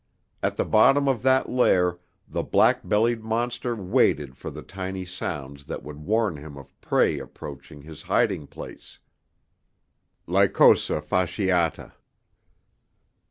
At the bottom of that lair the black bellied monster waited for the tiny sounds that would warn him of prey approaching his hiding place (Lycosa fasciata).